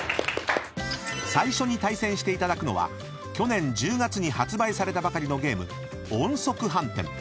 ［最初に対戦していただくのは去年１０月に発売されたばかりのゲーム音速飯店］